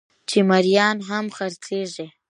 چې مريان هم خرڅېږي